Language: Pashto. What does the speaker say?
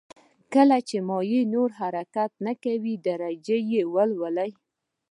کله چې مایع نور حرکت نه کوي درجه یې ولولئ.